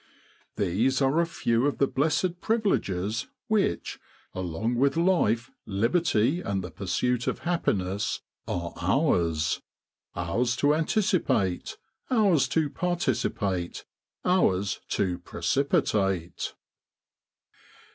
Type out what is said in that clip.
These are a few of the blessed privileges which, along with life, liberty, and the pursuit of happiness, are ours ours to anticipate, ours to participate, ours to precipitate.